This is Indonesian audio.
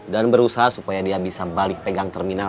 dan berusaha supaya dia bisa balik pegang terminal